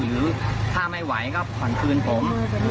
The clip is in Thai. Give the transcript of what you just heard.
หรือถ้าไม่ไหวก็ผ่อนคืนผม